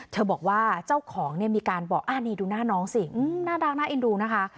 เธอบอกว่าเจ้าของมีการบอกนี่ดูหน้าน้องสิหน้ารักหน้าเอ็นดูนะคะ